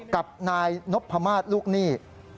กับนายนพมาศลูกหนี้